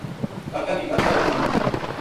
کاکا کی گل ساراں نے من لئی